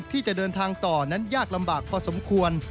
ที่จะเดินทางต่อนั้นยากลำบากพอสมควร